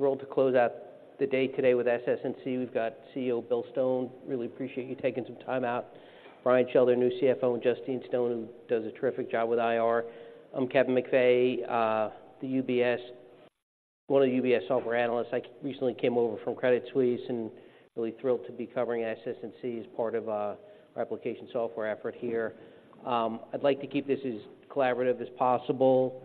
Thrilled to close out the day today with SS&C. We've got CEO Bill Stone. Really appreciate you taking some time out. Brian Schell, new CFO, and Justine Stone, who does a terrific job with IR. I'm Kevin McVeigh, the UBS, one of the UBS software analysts. I recently came over from Credit Suisse, and really thrilled to be covering SS&C as part of our application software effort here. I'd like to keep this as collaborative as possible.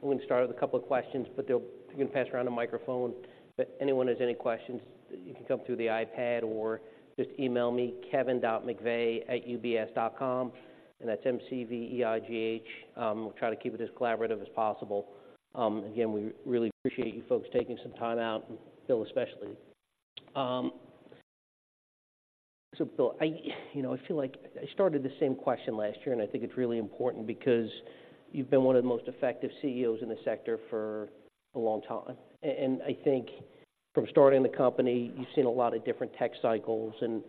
We're going to start with a couple of questions, but they'll, we're gonna pass around a microphone. But anyone who has any questions, you can come through the iPad or just email me, kevin.mcveigh@ubs.com, and that's M-C-V-E-I-G-H. We'll try to keep it as collaborative as possible. Again, we really appreciate you folks taking some time out, and Bill, especially. So Bill, you know, I feel like I started the same question last year, and I think it's really important because you've been one of the most effective CEOs in the sector for a long time. I think from starting the company, you've seen a lot of different tech cycles, and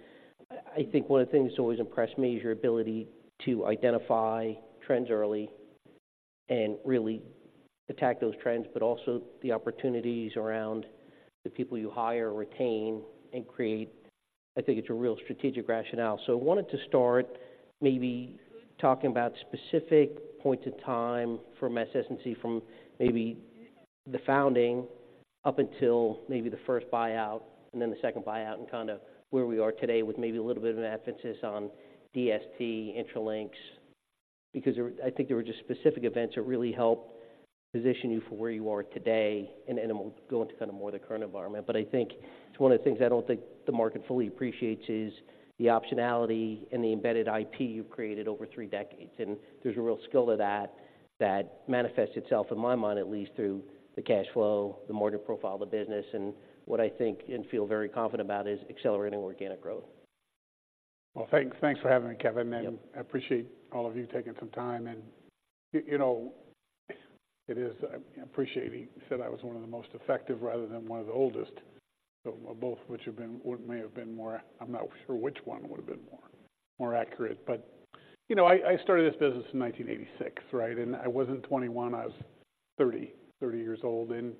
I think one of the things that always impressed me is your ability to identify trends early and really attack those trends, but also the opportunities around the people you hire or retain and create. I think it's a real strategic rationale. So I wanted to start maybe talking about specific points in time for SS&C, from maybe the founding up until maybe the first buyout and then the second buyout, and kind of where we are today, with maybe a little bit of an emphasis on DST Intralinks because I think there were just specific events that really helped position you for where you are today, and then we'll go into kind of more the current environment. But I think it's one of the things I don't think the market fully appreciates, is the optionality and the embedded IP you've created over three decades and there's a real skill to that, that manifests itself, in my mind, at least through the cash flow, the mortgage profile of the business, and what I think and feel very confident about is accelerating organic growth. Well, thanks for having me, Kevin. Yep. I appreciate all of you taking some time. You know, it is. I appreciate he said I was one of the most effective rather than one of the oldest, so both which have been, or may have been more. I'm not sure which one would have been more accurate. But you know, I started this business in 1986, right? I wasn't 21, I was 30 years old, and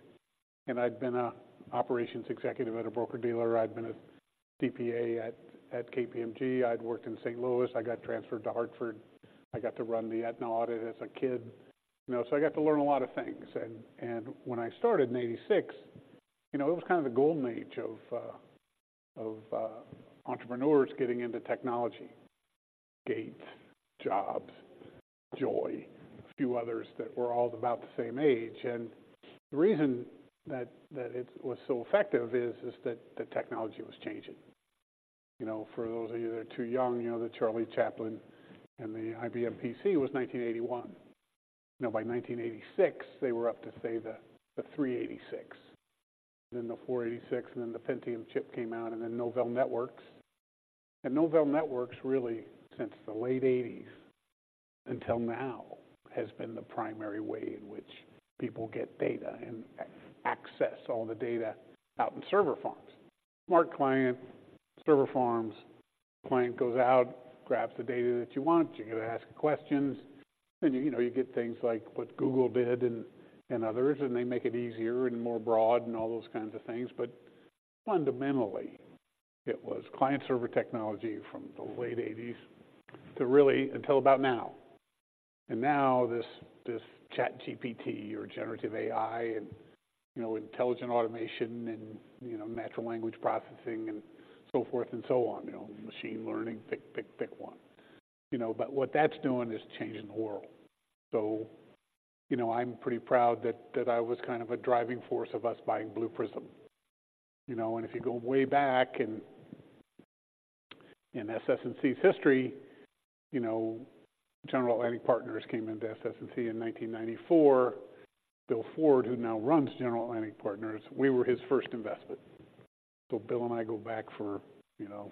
I'd been an operations executive at a broker-dealer. I'd been a CPA at KPMG. I'd worked in St. Louis. I got transferred to Hartford. I got to run the Aetna audit as a kid, you know, so I got to learn a lot of things. When I started in 1986, you know, it was kind of the golden age of entrepreneurs getting into technology: Gates, Jobs, Joy, a few others that were all about the same age and the reason that it was so effective is that the technology was changing. You know, for those of you that are too young, you know, the Charlie Chaplin and the IBM PC was 1981. You know, by 1986, they were up to, say, the 386, then the 486, and then the Pentium chip came out, and then Novell networks and Novell networks, really, since the late 1980s until now, has been the primary way in which people get data and access all the data out in server farms. Smart client, server farms, client goes out, grabs the data that you want, you get to ask questions, then, you know, you get things like what Google did and others, and they make it easier and more broad and all those kinds of things. But fundamentally, it was client-server technology from the late eighties to really until about now. Now, this ChatGPT or generative AI and, you know, intelligent automation and, you know, natural language processing and so forth and so on, you know, machine learning, pick, pick, pick one. You know, but what that's doing is changing the world. So, you know, I'm pretty proud that I was kind of a driving force of us buying Blue Prism. You know, and if you go way back in SS&C's history, you know, General Atlantic came into SS&C in 1994. Bill Ford, who now runs General Atlantic, we were his first investment. So Bill and I go back for, you know,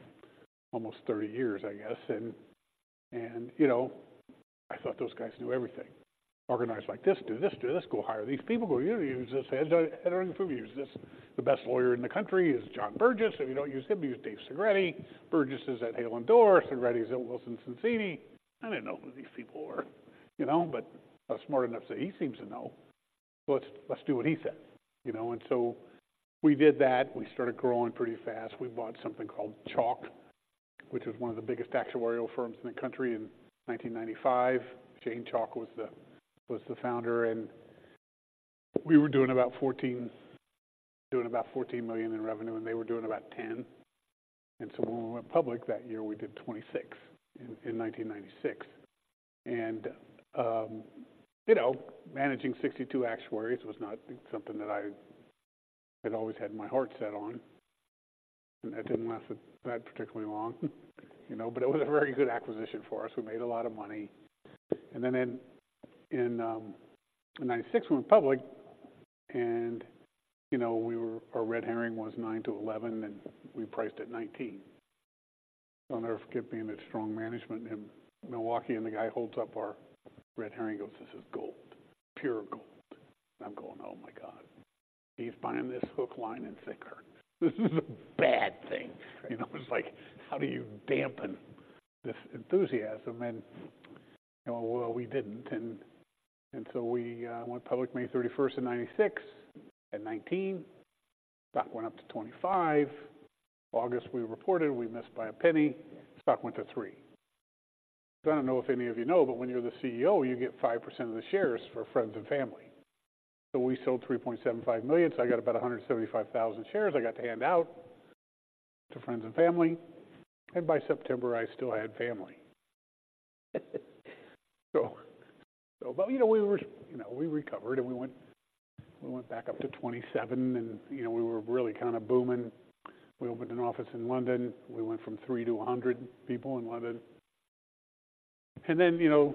almost 30 years, I guess and, you know, I thought those guys knew everything. Organize like this, do this, go hire these people. Go use this headhunting firm, use this. The best lawyer in the country is John Burgess, if you don't use him, use Dave Segre. Burgess is at Hale and Dorr, Segre is at Wilson Sonsini. I didn't know who these people were, you know, but I was smart enough to say, "He seems to know, so let's, let's do what he said." You know, and so we did that. We started growing pretty fast. We bought something called Chalke, which was one of the biggest actuarial firms in the country in 1995. Shane Chalke was the founder, and we were doing about $14 million in revenue, and they were doing about $10 million. So when we went public that year, we did $26 million in 1996. You know, managing 62 actuaries was not something that I had always had my heart set on, and that didn't last that particularly long, you know, but it was a very good acquisition for us. We made a lot of money. Then in 1996, we went public, and, you know, our red herring was 9-11, and we priced at 19. I'll never forget being at Strong Management in Milwaukee, and the guy holds up our red herring and goes, "This is gold, pure gold." I'm going, "Oh, my God. He's buying this hook, line, and sinker. This is a bad thing." You know, it's like, how do you dampen this enthusiasm? Well, we didn't. So we went public May 31, 1996 at $19. Stock went up to $25. August, we reported we missed by $0.01. Stock went to $3. So I don't know if any of you know, but when you're the CEO, you get 5% of the shares for friends and family. So we sold $3.75 million, so I got about 175,000 shares I got to hand out to friends and family, and by September, I still had family. But, you know, we were, you know, we recovered, and we went, we went back up to $27, and, you know, we were really kind of booming. We opened an office in London. We went from 3-100 people in London. Then, you know,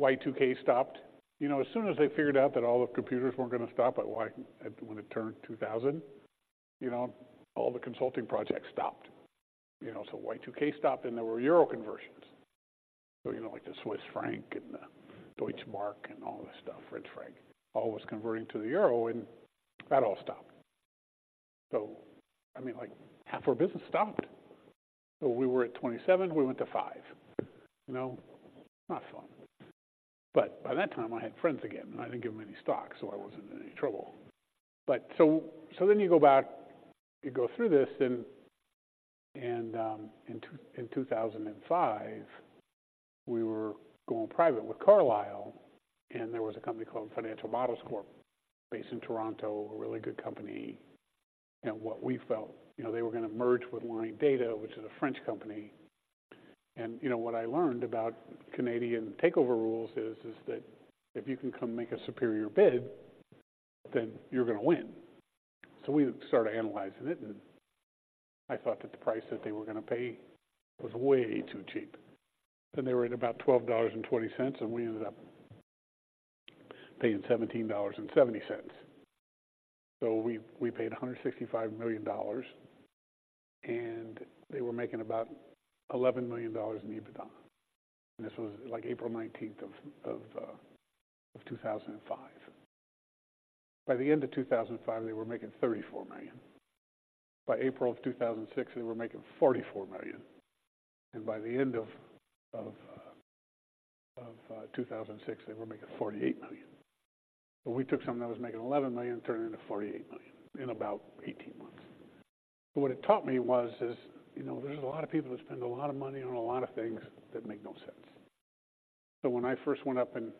Y2K stopped. You know, as soon as they figured out that all the computers weren't going to stop at Y2K, when it turned 2000, you know, all the consulting projects stopped. You know, so Y2K stopped, and there were euro conversions. So, you know, like the Swiss franc and the Deutsche Mark and all this stuff, French franc, all was converting to the euro, and that all stopped. So I mean, like, half our business stopped. So we were at 27, we went to five. You know, not fun, but by that time, I had friends again, and I didn't give them any stock, so I wasn't in any trouble. Then you go back, you go through this then, and in 2005, we were going private with Carlyle, and there was a company called Financial Models Corp, based in Toronto, a really good company and what we felt, you know, they were going to merge with Linedata, which is a French company. You know, what I learned about Canadian takeover rules is that if you can come make a superior bid, then you're going to win. So we started analyzing it, and I thought that the price that they were going to pay was way too cheap and they were at about $12.20, and we ended up paying $17.70. So we paid $165 million, and they were making about $11 million in EBITDA. This was, like, April 19th of 2005. By the end of 2005, they were making $34 million. By April of 2006, they were making $44 million, and by the end of 2006, they were making $48 million. So we took something that was making $11 million, turned it into $48 million in about 18 months. But what it taught me was, is, you know, there's a lot of people that spend a lot of money on a lot of things that make no sense. So when I first went up and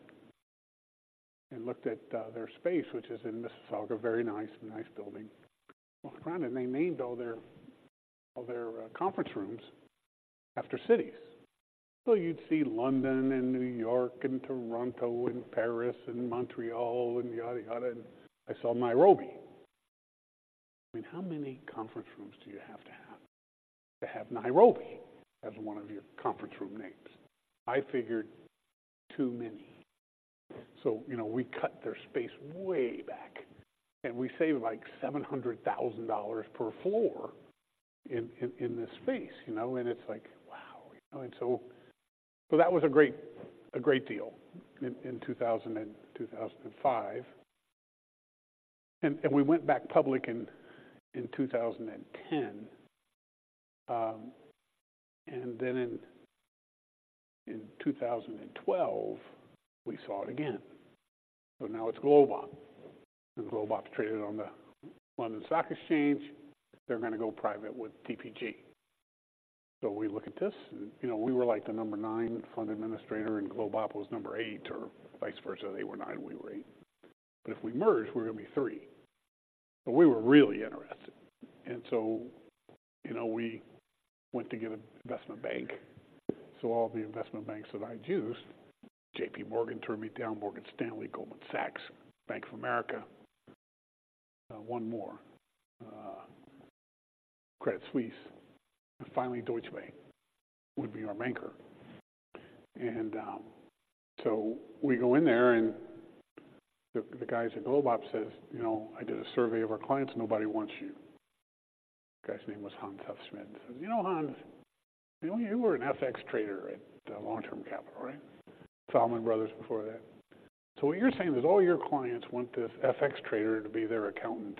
looked at their space, which is in Mississauga, very nice, a nice building. Walk around, and they named all their conference rooms after cities. So you'd see London and New York and Toronto and Paris and Montreal and yada, yada. I saw Nairobi. I mean, how many conference rooms do you have to have to have Nairobi as one of your conference room names? I figured, too many. So, you know, we cut their space way back, and we saved, like, $700,000 per floor in this space, you know? It's like, wow! You know, and so that was a great, a great deal in 2005 and we went back public in 2010. Then in 2012, we saw it again. So now it's GlobeOp, and GlobeOp traded on the London Stock Exchange. They're gonna go private with TPG. So we look at this, and, you know, we were, like, the number nine fund administrator, and GlobeOp was number eight, or vice versa. They were nine, we were eight. But if we merge, we're gonna be three. So we were really interested. So, you know, we went to get an investment bank. So all the investment banks that I'd used, J.P. Morgan turned me down, Morgan Stanley, Goldman Sachs, Bank of America, one more, Credit Suisse. Finally, Deutsche Bank would be our banker. So we go in there, and the, the guys at GlobeOp says, "You know, I did a survey of our clients, nobody wants you." The guy's name was Hans Hufschmid. I says, "You know, Hans, you know, you were an FX trader at, Long-Term Capital, right? Salomon Brothers before that. So what you're saying is all your clients want this FX trader to be their accountant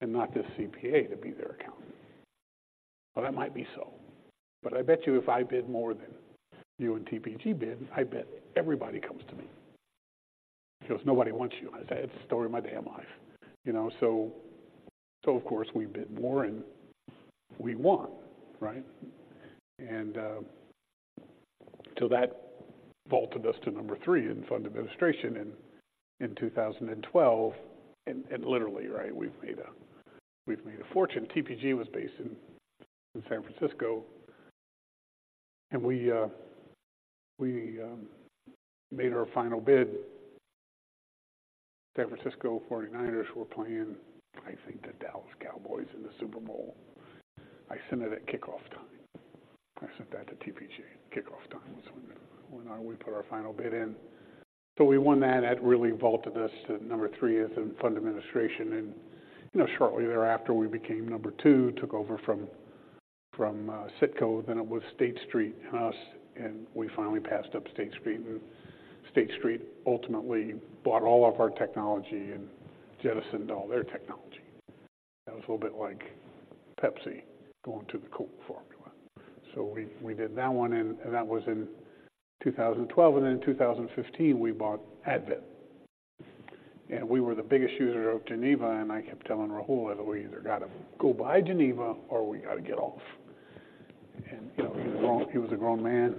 and not this CPA to be their accountant. Well, that might be so, but I bet you if I bid more than you and TPG bid, I bet everybody comes to me. He goes, "Nobody wants you." I said, "Story of my damn life." You know, so of course, we bid more, and we won, right? So that vaulted us to number three in fund administration in 2012, and literally, right, we've made a fortune. TPG was based in San Francisco, and we made our final bid. San Francisco Forty-Niners were playing, I think, the Dallas Cowboys in the Super Bowl. I sent it at kickoff time. I sent that to TPG, kickoff time. So when we put our final bid in. So we won that. That really vaulted us to number three in fund administration, and, you know, shortly thereafter, we became number two, took over from Citco. Then it was State Street, us, and we finally passed up State Street and State Street ultimately bought all of our technology and jettisoned all their technology. It was a little bit like Pepsi going to the Coke formula. So we did that one, and that was in 2012, and then in 2015, we bought Advent and we were the biggest user of Geneva, and I kept telling Rahul that we either got to go buy Geneva or we got to get off and, you know, he was a grown man.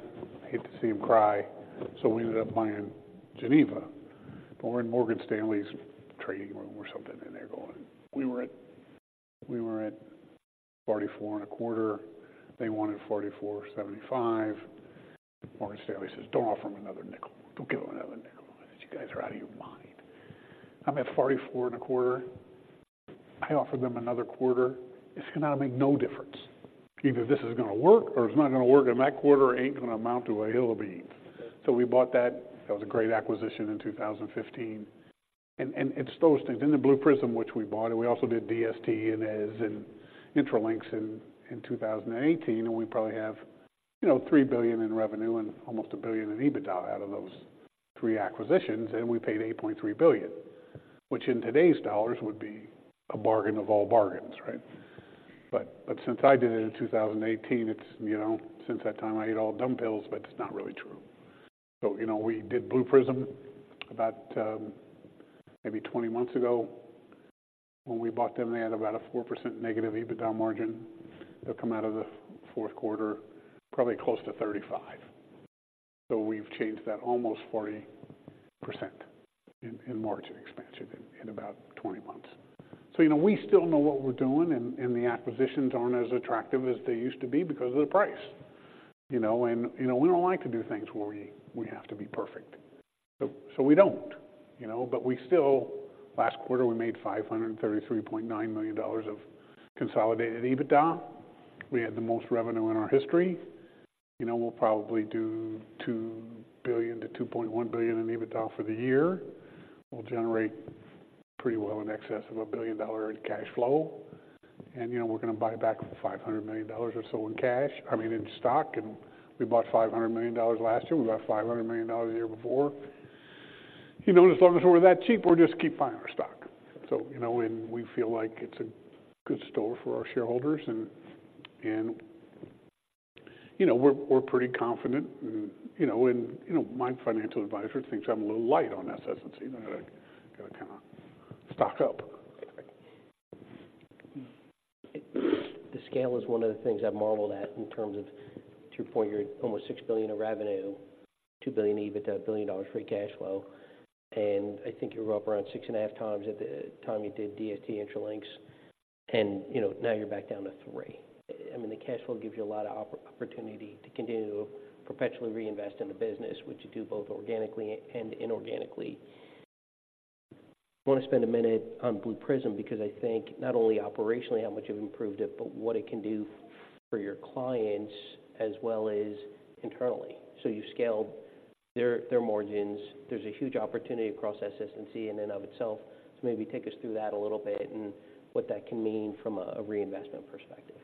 I hate to see him cry. So we ended up buying Geneva. But we're in Morgan Stanley's trading room or something, and they're going, "We were at $44.25. They wanted $44.75." Morgan Stanley says, "Don't offer them another nickel. Don't give them another nickel. You guys are out of your mind." I'm at $44.25. I offered them another quarter. It's going to make no difference. Either this is going to work or it's not going to work, and that quarter ain't going to amount to a hill of beans. So we bought that. That was a great acquisition in 2015. It's those things in the Blue Prism, which we bought, and we also did DST and Eze and Intralinks in 2018, and we probably have, you know, $3 billion in revenue and almost $1 billion in EBITDA out of those three acquisitions. We paid $8.3 billion, which in today's dollars would be a bargain of all bargains, right? But since I did it in 2018, it's, you know, since that time, I ate all dumb pills. But it's not really true. So, you know, we did Blue Prism about maybe 20 months ago. When we bought them, they had about a -4% EBITDA margin. They'll come out of the fourth quarter, probably close to 35%. So we've changed that almost 40% in margin expansion in about 20 months. So, you know, we still know what we're doing, and the acquisitions aren't as attractive as they used to be because of the price, you know? You know, we don't like to do things where we have to be perfect, so we don't, you know, but we still... Last quarter, we made $533.9 million of consolidated EBITDA. We had the most revenue in our history. You know, we'll probably do $2 billion-$2.1 billion in EBITDA for the year. We'll generate pretty well in excess of $1 billion in cash flow and, you know, we're going to buy back $500 million or so in cash, I mean, in stock, and we bought $500 million last year. We bought $500 million the year before. You know, as long as we're that cheap, we'll just keep buying our stock. So, you know, and we feel like it's a good store for our shareholders, and, and, you know, we're, we're pretty confident. You know, and, you know, my financial advisor thinks I'm a little light on SS&C, and I gotta kind of stock up. The scale is one of the things I've marveled at in terms of to your point, you're almost $6 billion of revenue, $2 billion EBITDA, $1 billion free cash flow, and I think you were up around 6.5x at the time you did DST Intralinks, and, you know, now you're back down to three. I mean, the cash flow gives you a lot of opportunity to continue to perpetually reinvest in the business, which you do both organically and inorganically. I want to spend a minute on Blue Prism because I think not only operationally, how much you've improved it, but what it can do for your clients as well as internally. So you've scaled their margins. There's a huge opportunity across SS&C in and of itself. Maybe take us through that a little bit and what that can mean from a reinvestment perspective.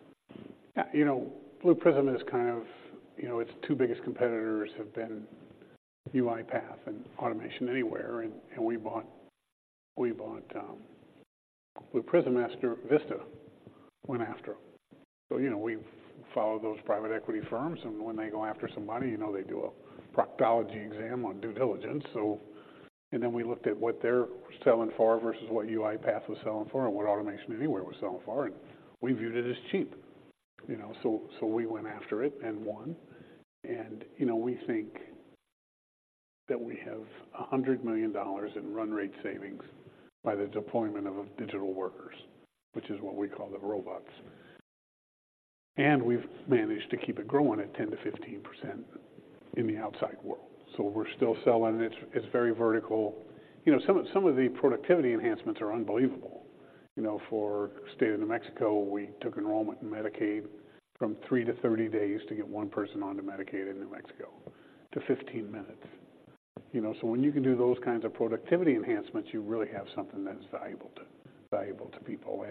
Yeah, you know, Blue Prism is kind of, you know, its two biggest competitors have been UiPath and Automation Anywhere, and we bought, we bought, Blue Prism after Vista went after. So, you know, we've followed those private equity firms, and when they go after somebody, you know, they do a proctology exam on due diligence. Then we looked at what they're selling for versus what UiPath was selling for and what Automation Anywhere was selling for, and we viewed it as cheap, you know, so, so we went after it and won and, you know, we think that we have $100 million in run rate savings by the deployment of digital workers, which is what we call the robots. We've managed to keep it growing at 10%-15% in the outside world. So we're still selling, it's, it's very vertical. You know, some of, some of the productivity enhancements are unbelievable. You know, for the state of New Mexico, we took enrollment in Medicaid from 3-30 days to get one person onto Medicaid in New Mexico to 15 minutes. You know, so when you can do those kinds of productivity enhancements, you really have something that is valuable to, valuable to people,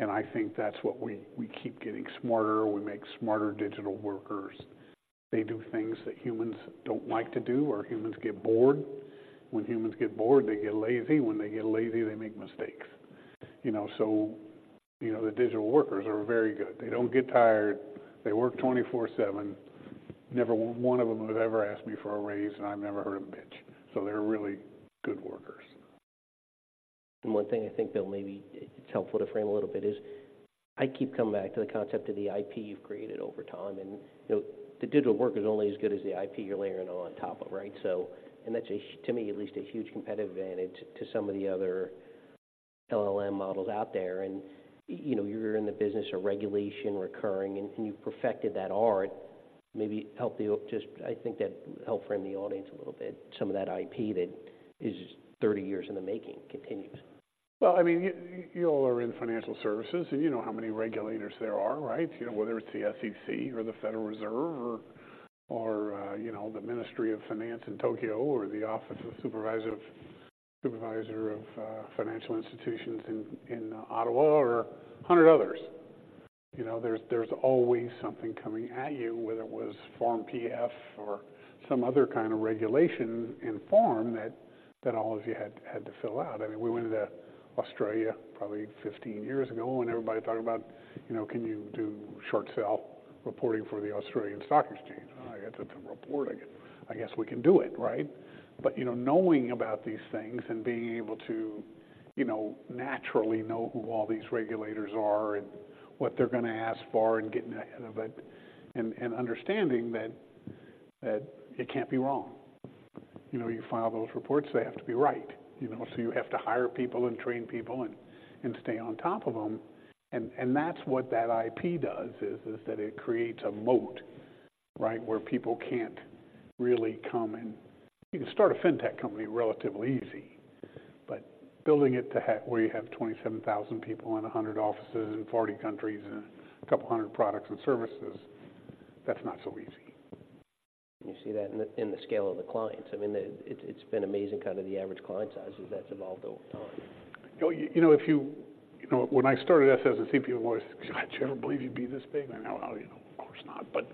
and I think that's what we, we keep getting smarter. We make smarter digital workers. They do things that humans don't like to do, or humans get bored. When humans get bored, they get lazy, when they get lazy, they make mistakes. You know, so, you know, the digital workers are very good. They don't get tired. They work 24/7. Never one of them has ever asked me for a raise, and I've never heard them bitch. So they're really good workers. One thing I think that maybe it's helpful to frame a little bit is I keep coming back to the concept of the IP you've created over time, and, you know, the digital work is only as good as the IP you're layering on top of, right? That's, to me, at least, a huge competitive advantage to some of the other LLM models out there and, you know, you're in the business of regulation, recurring, and you've perfected that art, maybe help the-- just I think that help frame the audience a little bit. Some of that IP that is 30 years in the making continues. Well, I mean, you, you all are in financial services, and you know how many regulators there are, right? You know, whether it's the SEC or the Federal Reserve or, or, you know, the Ministry of Finance in Tokyo or the Office of the Superintendent of Financial Institutions in Ottawa, or 100 others. You know, there's, there's always something coming at you, whether it was Form PF or some other kind of regulation and form that, that all of you had, had to fill out. I mean, we went into Australia probably 15 years ago, and everybody talking about, you know, "Can you do short sell reporting for the Australian Stock Exchange?" Oh, you have to report again. I guess we can do it, right? But, you know, knowing about these things and being able to, you know, naturally know who all these regulators are and what they're going to ask for, and getting ahead of it and understanding that it can't be wrong. You know, you file those reports, they have to be right, you know, so you have to hire people and train people and stay on top of them. That's what that IP does, is that it creates a moat, right? Where people can't really come and you can start a fintech company relatively easy, but building it to have where you have 27,000 people in 100 offices in 40 countries and a couple 100 products and services, that's not so easy. You see that in the scale of the clients. I mean, it's been amazing, kind of the average client sizes that's evolved over time. You know, when I started SS&C, people always, "God, you ever believe you'd be this big?" You know, of course not. But,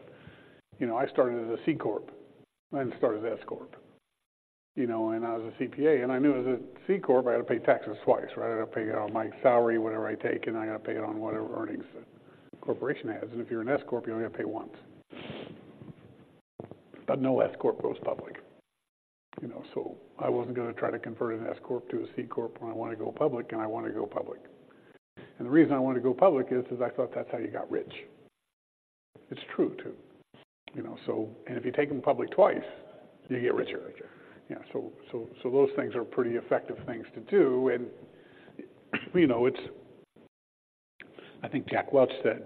you know, I started as a C corp and started as S corp, you know, and I was a CPA, and I knew as a C corp, I had to pay taxes twice, right? I got to pay on my salary, whatever I take, and I got to pay it on whatever earnings the corporation has. If you're an S corp, you only pay once. But no S corp goes public, you know, so I wasn't going to try to convert an S corp to a C corp when I want to go public, and I want to go public. The reason I wanted to go public is, is I thought that's how you got rich. It's true, too, you know, so... If you take them public twice, you get richer. Yeah. So, so, so those things are pretty effective things to do and, you know, it's— I think Jack Welch said,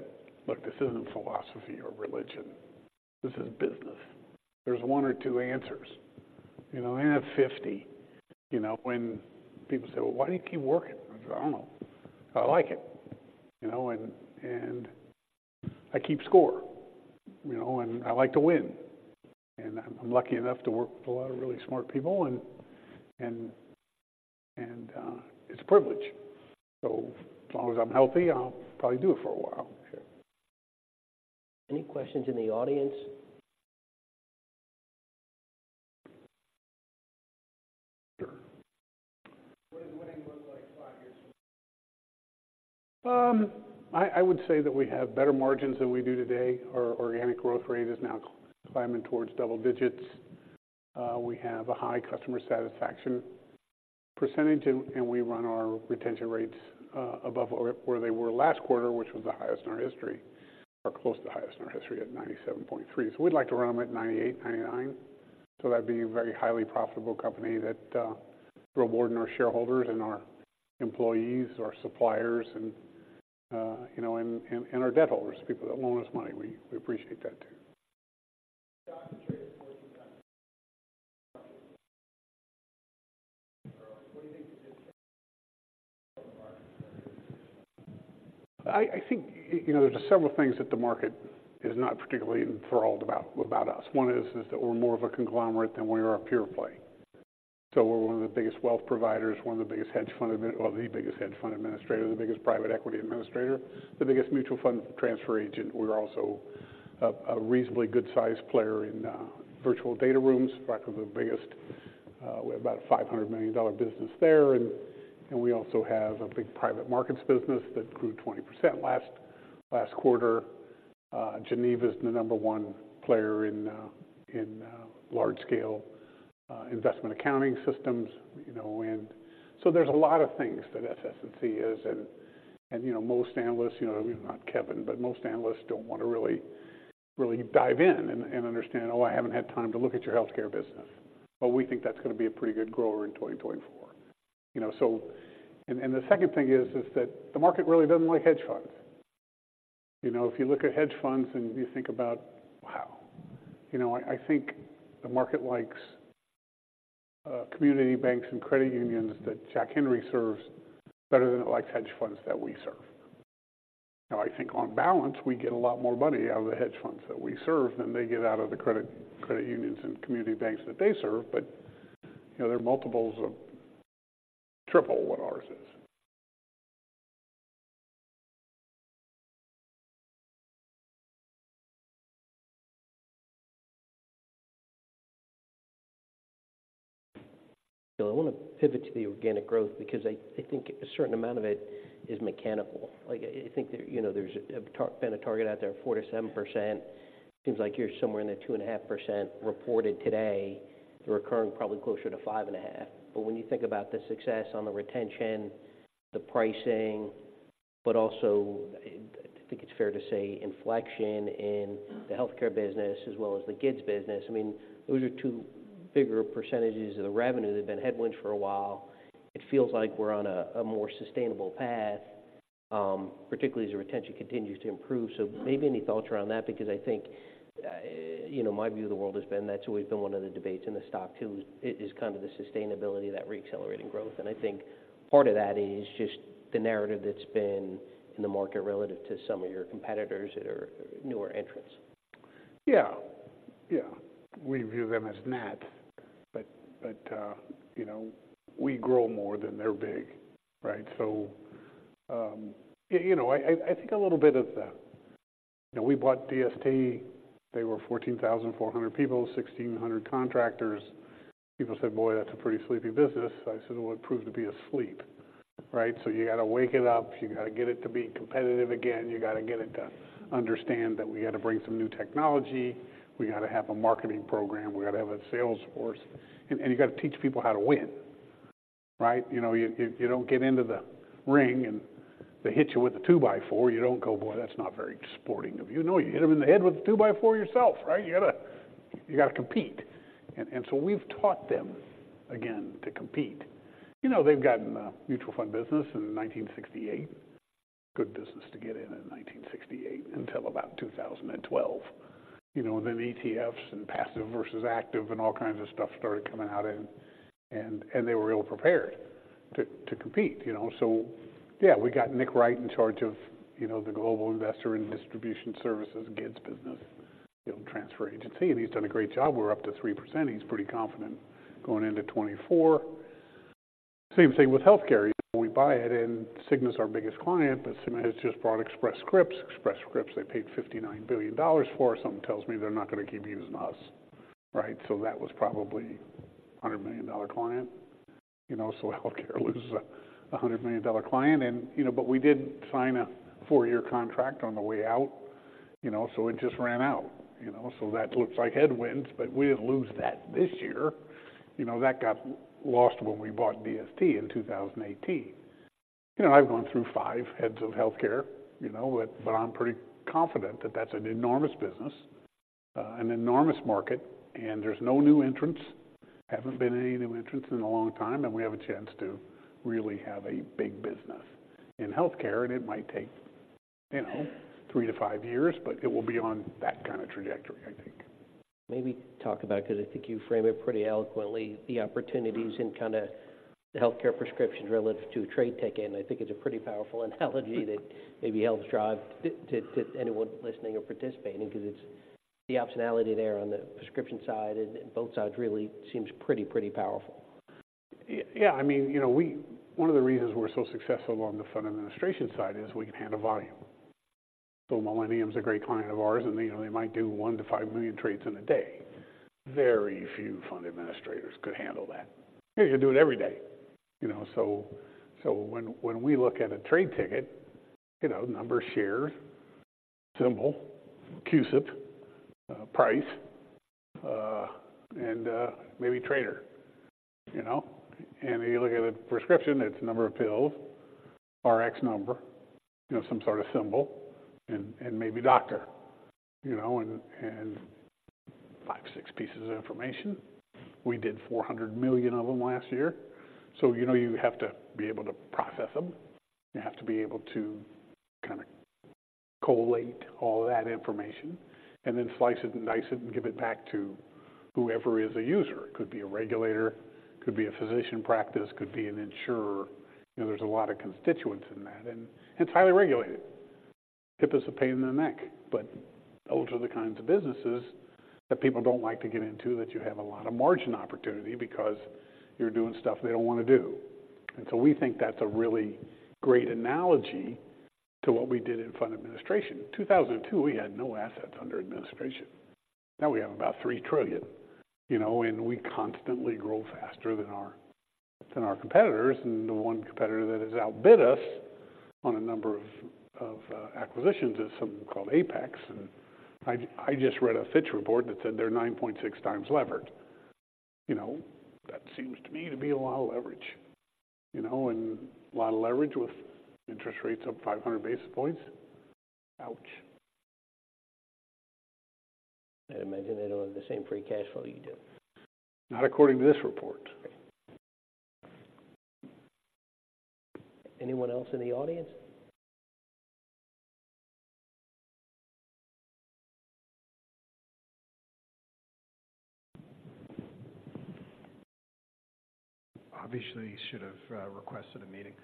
"Look, this isn't philosophy or religion. This is business." There's one or two answers, you know, I have 50. You know, when people say, "Well, why do you keep working?" I say, "I don't know. I like it," you know and I keep score, you know, and I like to win, and I'm lucky enough to work with a lot of really smart people, and, it's a privilege. So as long as I'm healthy, I'll probably do it for a while. Any questions in the audience? Sure. What does winning look like five years from now? I would say that we have better margins than we do today. Our organic growth rate is now climbing towards double digits. We have a high customer satisfaction percentage, and we run our retention rates above where they were last quarter, which was the highest in our history, or close to the highest in our history, at 97.3%. So we'd like to run them at 98%, 99%. So that'd be a very highly profitable company that rewarding our shareholders and our employees, our suppliers, and you know, and our debt holders, people that loan us money. We appreciate that, too. Stock trades 14x. What do you think? I think, you know, there are several things that the market is not particularly enthralled about us. One is that we're more of a conglomerate than we are a pure play. So we're one of the biggest wealth providers, one of the biggest hedge fund admin or the biggest hedge fund administrator, the biggest private equity administrator, the biggest mutual fund transfer agent. We're also a reasonably good-sized player in virtual data rooms, probably the biggest with about $500 million business there and we also have a big private markets business that grew 20% last quarter. Geneva is the number one player in large-scale investment accounting systems, you know. So there's a lot of things that SS&C is and, and, you know, most analysts, you know, not Kevin, but most analysts don't want to really, really dive in and, and understand, "Oh, I haven't had time to look at your healthcare business," but we think that's going to be a pretty good grower in 2024. You know, so... The second thing is, is that the market really doesn't like hedge funds. You know, if you look at hedge funds and you think about, wow, you know, I, I think the market likes, community banks and credit unions that Jack Henry serves better than it likes hedge funds that we serve. Now, I think on balance, we get a lot more money out of the hedge funds that we serve than they get out of the credit, credit unions and community banks that they serve. You know, there are multiples of triple what ours is. I want to pivot to the organic growth because I think a certain amount of it is mechanical. Like, I think, you know, there's been a target out there of 4%-7%. Seems like you're somewhere in the 2.5% reported today, recurring probably closer to 5.5%. But when you think about the success on the retention, the pricing, but also, I think it's fair to say, inflection in the healthcare business as well as the GIDS business, I mean, those are two bigger percentages of the revenue that have been headwinds for a while. It feels like we're on a more sustainable path, particularly as the retention continues to improve. So maybe any thoughts around that? Because I think, you know, my view of the world has been that's always been one of the debates in the stock, too, is kind of the sustainability of that reaccelerating growth and I think part of that is just the narrative that's been in the market relative to some of your competitors that are newer entrants. Yeah, yeah, we view them as net, but, but, you know, we grow more than they're big, right? So, you know, I think a little bit of that. You know, we bought DST. They were 14,400 people, 1,600 contractors. People said: "Boy, that's a pretty sleepy business." I said, "Well, it proved to be asleep, right? So you got to wake it up, you got to get it to be competitive again. You got to get it to understand that we got to bring some new technology, we got to have a marketing program, we got to have a sales force, and, and you got to teach people how to win, right?" You know, you, you don't get into the ring, and they hit you with a two-by-four. You don't go, "Boy, that's not very sporting of you." No, you hit them in the head with a two-by-four yourself, right? You got to, you got to compete. So we've taught them again to compete. You know, they've gotten a mutual fund business in 1968. Good business to get in in 1968 until about 2012. You know, then ETFs and passive versus active and all kinds of stuff started coming out, and, and, and they were ill-prepared to, to compete, you know? So, yeah, we got Nick Wright in charge of, you know, the Global Investor and Distribution Services, GIDS business, you know, transfer agency, and he's done a great job. We're up to 3%. He's pretty confident going into 2024. Same thing with healthcare. We buy it, and Cigna is our biggest client, but Cigna has just bought Express Scripts. Express Scripts, they paid $59 billion for it. Something tells me they're not going to keep using us, right? So that was probably a $100 million client. You know, so healthcare loses a $100 million client and, you know. But we did sign a four-year contract on the way out, you know, so it just ran out. You know, so that looks like headwinds, but we didn't lose that this year. You know, that got lost when we bought DST in 2018. You know, I've gone through five heads of healthcare, you know, but, but I'm pretty confident that that's an enormous business, an enormous market, and there's no new entrants. Haven't been any new entrants in a long time, and we have a chance to really have a big business in healthcare, and it might take, you know, 3-5 years, but it will be on that kind of trajectory, I think. Maybe talk about, because I think you frame it pretty eloquently, the opportunities in kind of healthcare prescriptions relative to a trade ticket and I think it's a pretty powerful analogy that maybe helps drive to, to anyone listening or participating, because it's the optionality there on the prescription side and, and both sides really seems pretty, pretty powerful. Yeah, I mean, you know, one of the reasons we're so successful on the fund administration side is we can handle volume. So Millennium is a great client of ours, and, you know, they might do 1-5 million trades in a day. Very few fund administrators could handle that. You do it every day, you know, so when we look at a trade ticket, you know, number of shares, symbol, CUSIP, price, and maybe trader, you know? You look at a prescription, it's number of pills, RX number, you know, some sort of symbol, and maybe doctor, you know, and five, six pieces of information. We did 400 million of them last year. So, you know, you have to be able to process them. You have to be able to kind of collate all that information and then slice it, and dice it, and give it back to whoever is a user. It could be a regulator, could be a physician practice, could be an insurer. You know, there's a lot of constituents in that, and it's highly regulated. HIPAA is a pain in the neck, but those are the kinds of businesses that people don't like to get into, that you have a lot of margin opportunity because you're doing stuff they don't want to do. So we think that's a really great analogy to what we did in fund administration. In 2002, we had no assets under administration. Now we have about $3 trillion, you know, and we constantly grow faster than our, than our competitors. The one competitor that has outbid us on a number of acquisitions is something called Apex. I just read a Fitch report that said they're 9.6x levered. You know, that seems to me to be a lot of leverage, you know, and a lot of leverage with interest rates up 500 basis points. Ouch! I'd imagine they don't have the same free cash flow you do. Not according to this report. Anyone else in the audience? Obviously, should have requested a meeting.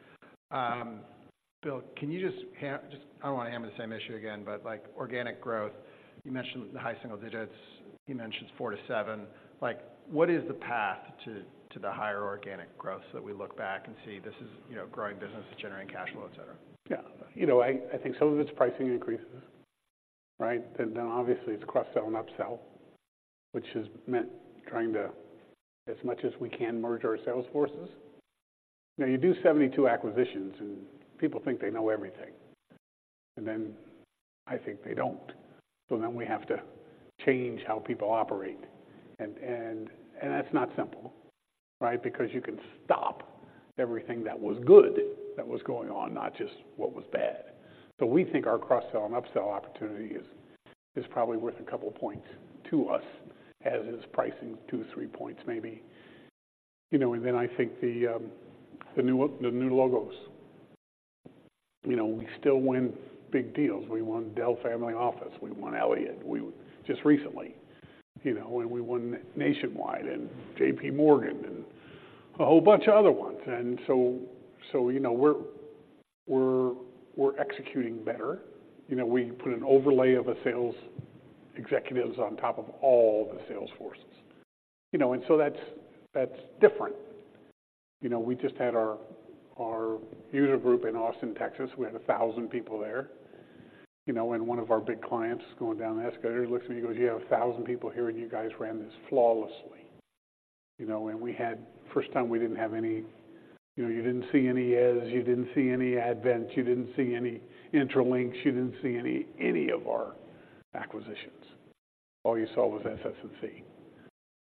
Bill, can you just... I don't want to hammer the same issue again, but, like, organic growth, you mentioned the high single digits. He mentions 4-7. Like, what is the path to the higher organic growth so that we look back and see this is, you know, growing business, generating cash flow, et cetera? Yeah. You know, I think some of it's pricing increases, right? Then obviously it's cross-sell and upsell, which has meant trying to, as much as we can, merge our sales forces. Now, you do 72 acquisitions, and people think they know everything, and then I think they don't. So then we have to change how people operate. That's not simple, right, because you can stop everything that was good that was going on, not just what was bad. So we think our cross-sell and upsell opportunity is probably worth a couple of points to us, as is pricing 2-3 points maybe. You know, and then I think the new logos. You know, we still win big deals. We won Dell Family Office, we won Elliott. We just recently, you know, and we won Nationwide and J.P. Morgan and a whole bunch of other ones. So, you know, we're executing better. You know, we put an overlay of sales executives on top of all the sales forces, you know, and so that's different. You know, we just had our user group in Austin, Texas. We had 1,000 people there, you know, and one of our big clients going down the escalator looks at me and goes, "You have 1,000 people here, and you guys ran this flawlessly." You know, and for the first time we didn't have any. You know, you didn't see any ads, you didn't see any Advent, you didn't see any Intralinks, you didn't see any of our acquisitions. All you saw was SS&C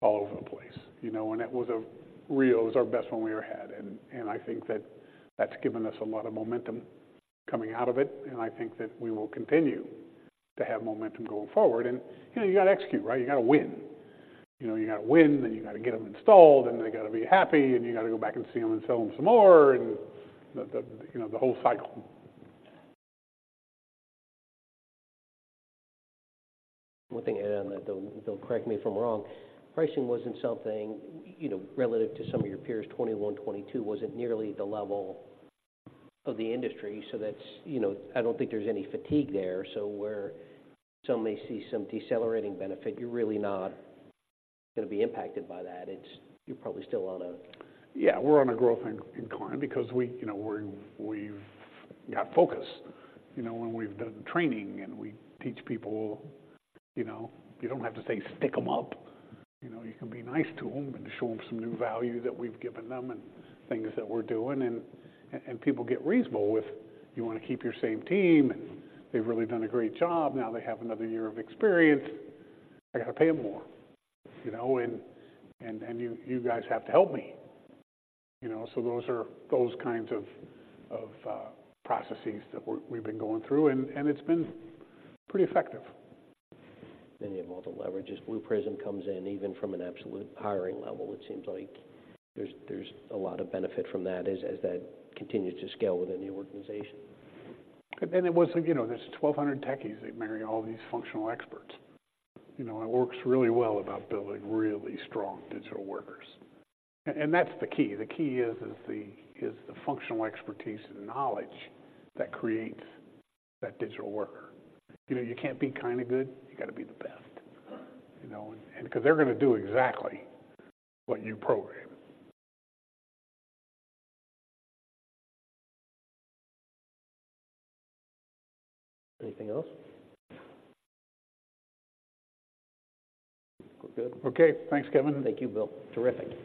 all over the place, you know, and it was. Deliver is our best one we ever had, and I think that that's given us a lot of momentum coming out of it, and I think that we will continue to have momentum going forward and, you know, you got to execute, right? You got to win. You know, you got to win, then you got to get them installed, and they got to be happy, and you got to go back and see them and sell them some more, and the, you know, the whole cycle. One thing to add on that, though, Bill, correct me if I'm wrong, pricing wasn't something, you know, relative to some of your peers, 2021, 2022 wasn't nearly the level of the industry. So that's, you know, I don't think there's any fatigue there. So where some may see some decelerating benefit, you're really not going to be impacted by that. It's-- you're probably still on a- Yeah, we're on a growth incline because we, you know, we're—we've got focus, you know, and we've done training, and we teach people, you know, you don't have to say, "Stick them up." You know, you can be nice to them and show them some new value that we've given them and things that we're doing, and people get reasonable with, "You want to keep your same team, and they've really done a great job. Now they have another year of experience. I got to pay them more, you know, and you guys have to help me." You know, so those are those kinds of processes that we're—we've been going through, and it's been pretty effective. Then you have all the leverages. Blue Prism comes in even from an absolute hiring level. It seems like there's a lot of benefit from that as that continues to scale within the organization. It was, you know, there's 1,200 techies. They marry all these functional experts. You know, it works really well about building really strong digital workers, and that's the key. The key is the functional expertise and knowledge that creates that digital worker. You know, you can't be kind of good. You got to be the best, you know, because they're going to do exactly what you program. Anything else? We're good. Okay, thanks, Kevin. Thank you, Bill. Terrific.